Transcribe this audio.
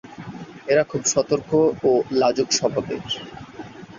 এরা খুব সতর্ক ও লাজুক স্বভাবের।